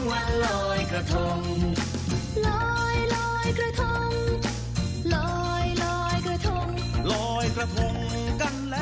มาต่อกันอย่างนี้นะคะ